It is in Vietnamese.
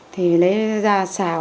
thì lấy ra xào